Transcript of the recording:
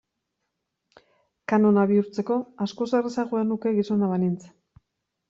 Kanona bihurtzeko askoz errazagoa nuke gizona banintz.